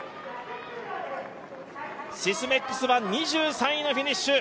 シスメックスは２３位のフィニッシュ。